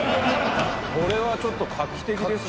これはちょっと画期的ですね。